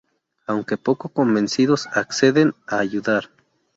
Aunque poco convencidos, acceden a ayudar.